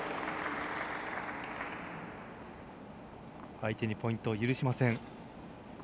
相手にポイントを許しません。